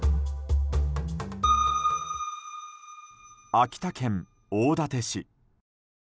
秋田県大館市。